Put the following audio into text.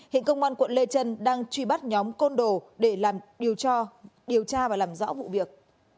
hiện công an quận lê trân đang truy bắt nhóm côn đồ để làm điều tra điều tra và làm rõ vụ việc